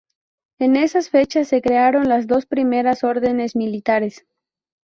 En esas fechas se crearon las dos primeras órdenes militares.